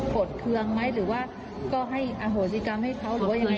ดเคืองไหมหรือว่าก็ให้อโหสิกรรมให้เขาหรือว่ายังไง